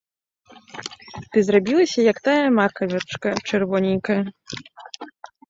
Ты зрабілася, як тая макавачка чырвоненькая!